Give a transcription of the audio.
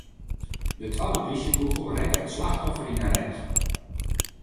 De twadde polysjekûgel rekke it slachtoffer yn 'e rêch.